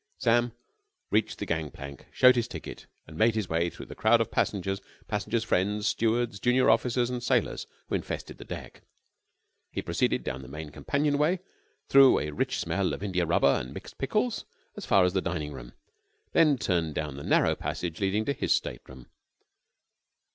Sam reached the gang plank, showed his ticket, and made his way through the crowd of passengers, passengers' friends, stewards, junior officers, and sailors who infested the deck. He proceeded down the main companion way, through a rich smell of india rubber and mixed pickles, as far as the dining saloon: then turned down the narrow passage leading to his stateroom.